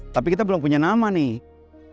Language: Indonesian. tapi kita belum punya nama nih